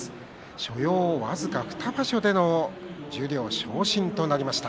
所要僅か２場所での十両昇進となりました。